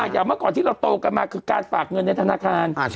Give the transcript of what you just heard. อย่างเมื่อก่อนที่เราโตกันมาคือการฝากเงินในธนาคาร